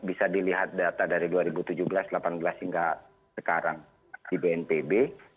bisa dilihat data dari dua ribu tujuh belas dua ribu delapan belas hingga sekarang di bnpb